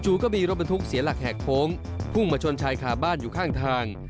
ก็มีรถบรรทุกเสียหลักแหกโค้งพุ่งมาชนชายขาบ้านอยู่ข้างทาง